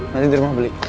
nanti dirumah beli